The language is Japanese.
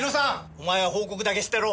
お前は報告だけしてろ。